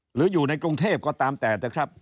หรืออยู่ในกรุงเทพก็ตามแต่